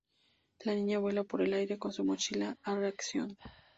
La niña vuela por el aire con su mochila a reacción.